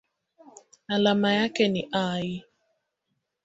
Alama yake ni Al.